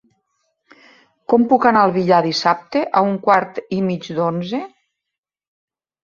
Com puc anar al Villar dissabte a un quart i mig d'onze?